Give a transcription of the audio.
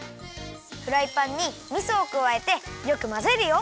フライパンにみそをくわえてよくまぜるよ。